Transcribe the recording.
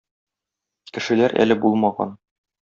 Кешеләр әле булмаган.